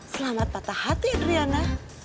selamat patah hati adriana